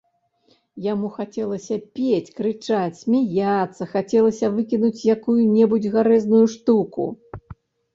Яму хацелася пець, крычаць, смяяцца, хацелася выкінуць якую-небудзь гарэзную штуку.